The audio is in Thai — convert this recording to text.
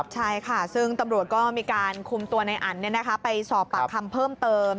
ใช่ค่ะซึ่งตำรวจก็มีการคุมตัวในอันไปสอบปากคำเพิ่มเติม